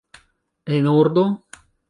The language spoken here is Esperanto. En ordo?